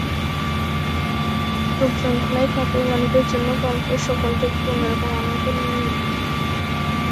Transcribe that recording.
রোগযন্ত্রণায় কাতর মানিকের জন্য কালকের সকালটা একটু অন্য রকম আনন্দ নিয়েই এল।